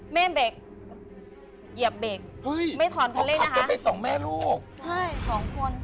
เหยียบเบรค